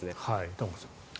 玉川さん。